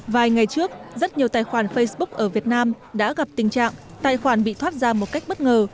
vài ngày trước rất nhiều tài khoản facebook ở việt nam đã gặp tình trạng tài khoản bị thoát ra một cách bất ngờ